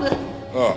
ああ。